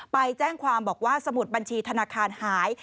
ไปแจ้งความบอกว่าสมุดบัญชีธนาคารหาย